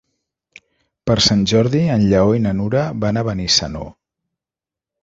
Per Sant Jordi en Lleó i na Nura van a Benissanó.